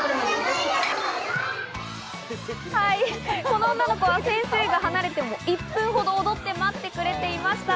この女の子は先生が離れても１分ほど踊って待ってくれていました。